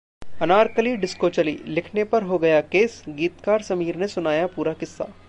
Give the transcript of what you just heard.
Anarkali disco चली...लिखने पर हो गया केस, गीतकार समीर ने सुनाया पूरा किस्सा